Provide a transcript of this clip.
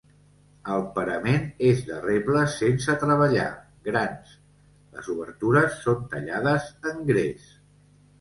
El parament és de rebles sense treballar, grans; les obertures són tallades en gres.